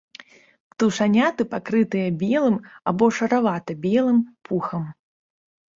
Птушаняты пакрытыя белым або шаравата-белым пухам.